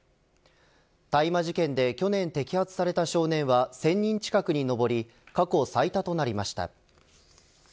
大麻事件で去年摘発された少年は１０００人近くに上り過去最多となりました。